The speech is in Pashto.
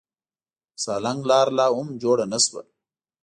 د سالنګ لار لا هم جوړه نه شوه.